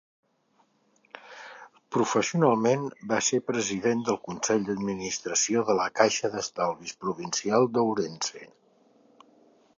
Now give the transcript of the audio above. Professionalment va ser president del consell d'administració de la Caixa d'Estalvis Provincial d'Ourense.